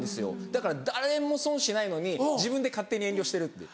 だから誰も損しないのに自分で勝手に遠慮してるっていう。